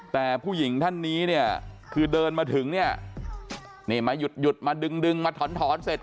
แต่ผู้หญิงท่านนี้เนี่ยคือเดินมาถึงเนี่ยนี่มาหยุดหยุดมาดึงดึงมาถอนถอนเสร็จ